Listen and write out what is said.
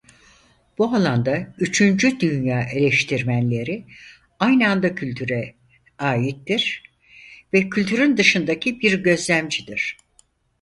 Bu alanda Üçüncü Dünya eleştirmenleri aynı anda kültüre aittir ve kültürün dışındaki bir gözlemcidir.